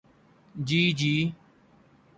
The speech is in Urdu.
جی جی۔